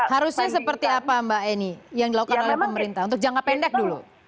harusnya seperti apa mbak eni yang dilakukan oleh pemerintah untuk jangka pendek dulu